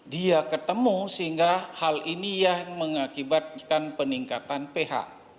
dia ketemu sehingga hal ini yang mengakibatkan peningkatan ph